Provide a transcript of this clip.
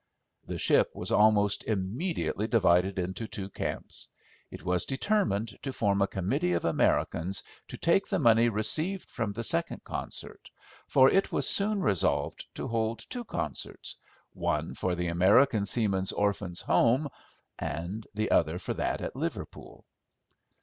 The ship was almost immediately divided into two camps. It was determined to form a committee of Americans to take the money received from the second concert; for it was soon resolved to hold two concerts, one for the American Seamen's Orphans' Home and the other for that at Liverpool.